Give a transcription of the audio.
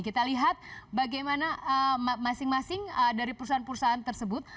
kita lihat bagaimana masing masing dari perusahaan perusahaan tersebut